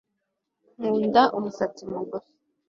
nkunda umusatsi mugufi